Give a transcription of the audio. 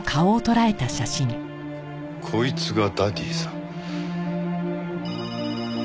こいつがダディさん。